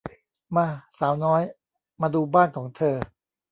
มา สาวน้อย มาดูบ้านของเธอ